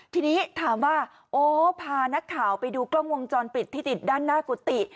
ทีนี้ถามว่าโอ้พานักข่าวไปดูกล้องวงจรปิดที่ติดด้านหน้ากุฏิ